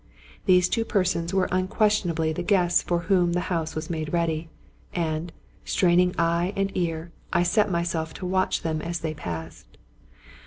These two persons were unquestion ably the guests for whom the house was made ready ; and, straining eye and ear, I set myself to watch them as they passed.